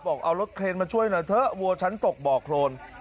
บอกเอารถเครนมาช่วยหน่อยเถอะวัวฉันตกบ่อโครน